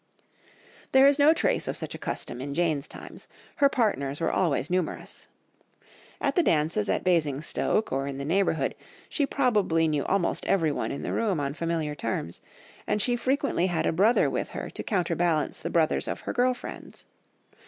There is no trace of such a custom in Jane's times, her partners were always numerous. At the dances at Basingstoke or in the neighbourhood, she probably knew almost everyone in the room on familiar terms; and she frequently had a brother with her to counterbalance the brothers of her girl friends.